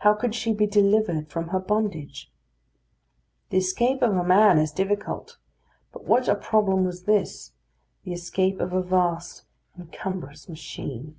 How could she be delivered from her bondage? The escape of a man is difficult; but what a problem was this the escape of a vast and cumbrous machine.